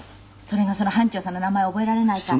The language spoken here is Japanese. それがその班長さんの名前を覚えられなかった。